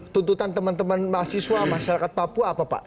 tuntutan teman teman mahasiswa masyarakat papua apa pak